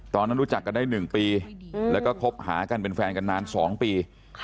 ตอนนั้นรู้จักกันได้๑ปีแล้วก็คบหากันเป็นแฟนกันนาน๒ปี